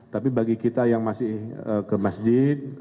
tapi bagi kita yang masih ke masjid